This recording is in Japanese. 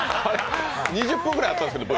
２０分くらいＶあったんですけど。